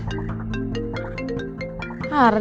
dia udah kemana